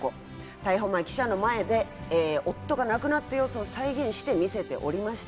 逮捕前、記者の前で夫が亡くなった様子を再現してみせておりました。